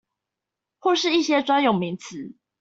或是一些專有名詞